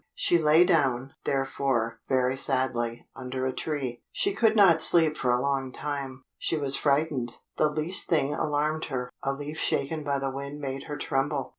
She lay down, therefore, very sadly, under a tree; she could not sleep for a long time she was frightened; the least thing alarmed her: a leaf shaken by the wind made her tremble.